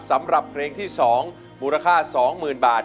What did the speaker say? สำหรับเพลงที่๒มูลค่า๒๐๐๐บาท